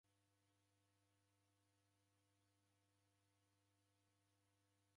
Mao oduma uboisiro keki inya.